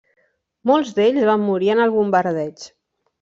Molts d'ells van morir en el bombardeig.